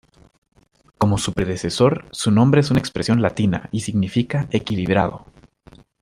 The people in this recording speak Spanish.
Como su predecesor, su nombre es una expresión latina y significa 'equilibrado'.